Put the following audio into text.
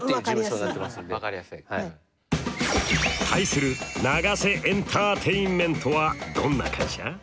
対するＮＡＧＡＳＥエンターテインメントはどんな会社？